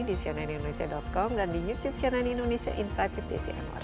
di cnnindonesia com dan di youtube cnn indonesia insight with desi anwar